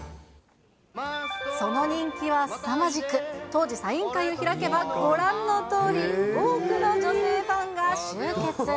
その人気はすさまじく、当時、サイン会を開けばご覧のとおり、多くの女性ファンが集結。